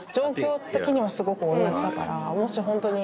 もしホントに。